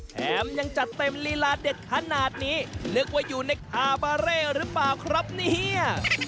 แถมยังจัดเต็มลีลาเด็ดขนาดนี้นึกว่าอยู่ในคาบาเร่หรือเปล่าครับเนี่ย